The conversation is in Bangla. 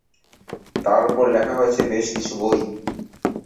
তার ওপর লেখা হয়েছে বেশ কিছু বই।